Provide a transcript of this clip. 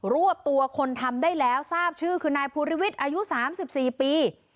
รวบตัวคนทำได้แล้วทราบชื่อคือนายภูริวิทย์อายุ๓๔ปี